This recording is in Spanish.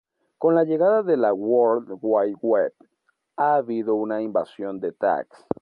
Con la llegada de la "World Wide Web" ha habido una invasión de "tags".